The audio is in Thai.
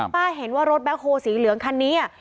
เห็นว่ารถแบ็คโฮสีเหลืองคันนี้